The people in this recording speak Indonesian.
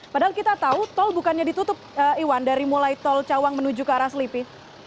padahal kita tahu tol bukannya ditutup iwan dari mulai tol cawang menuju ke arah selipi